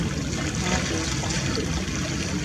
阿格萨克。